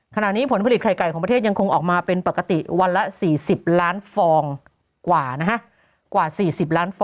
ขณะนี้ผลผลิตไข่ไก่ของประเทศยังคงออกมาเป็นปกติวันละ๔๐ล้านฟองกว่านะฮะกว่า๔๐ล้านฟอง